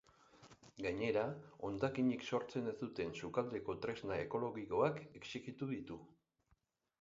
Gainera, hondakinik sortzen ez duten sukaldeko tresna ekologikoak exijitu ditu.